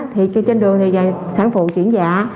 thì trên đường thì sản phụ chuyển dạ